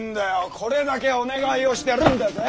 これだけお願いをしてるんだぜェ。